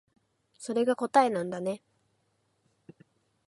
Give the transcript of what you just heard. それが答えなんだね